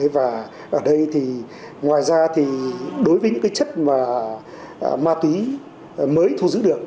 và ở đây thì ngoài ra thì đối với những cái chất mà ma túy mới thu giữ được